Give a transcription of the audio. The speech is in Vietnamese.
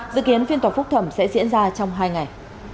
dự kiến phiên tòa phúc thẩm sẽ diễn ra trong hai ngày